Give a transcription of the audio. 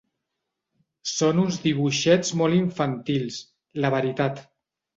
Són uns dibuixets molt infantils, la veritat.